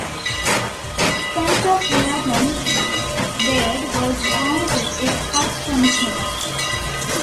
Spencer Fullerton Baird was appointed its first commissioner.